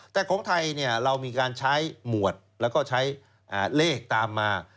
แต่ของไทยเรามีการใช้หมวดแล้วก็ใช้เลขตามมา